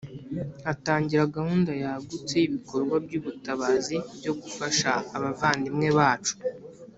Hatangira gahunda yagutse y ibikorwa by ubutabazi byo gufasha abavandimwe bacu